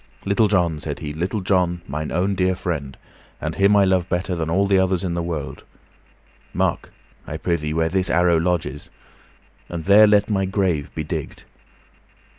"Little John," said he, "Little John, mine own dear friend, and him I love better than all others in the world, mark, I prythee, where this arrow lodges, and there let my grave be digged.